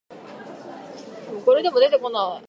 今日は空がきれいだね。